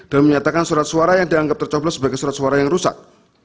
dan menyatakan surat suara yang dianggap tercoblos sebagai surat suara yang rusak